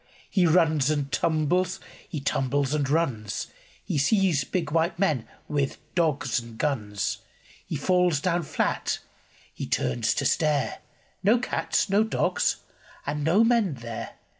He runs and tumbles, he tumbles and runs. He sees big white men with dogs and guns. He falls down flat. H)e turns to stare — No cats, no dogs, and no men there.